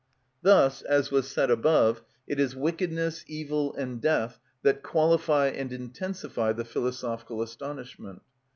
Thus, as was said above, it is wickedness, evil, and death that qualify and intensify the philosophical astonishment.